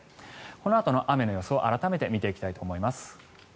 このあとの雨の様子を改めて見ていきたいと思います。